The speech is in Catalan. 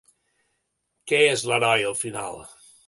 Què és l'heroi al final?